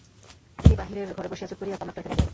তিনি বাহিরের ঘরে বসিয়া চুপ করিয়া তামাক টানিতে লাগিলেন।